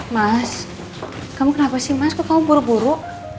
mas kamu kenapa sih mas kok kamu buru buru